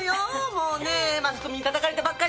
もうねマスコミにたたかれてばっかりだけど。